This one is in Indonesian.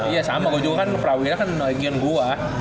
iya sama gua juga kan prawira kan region gua